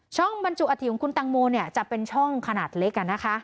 ช่องบัญจุอัตฐิของคุณตังโมเนี่ยจะเป็นช่องขนาดเล็กอะนะคะ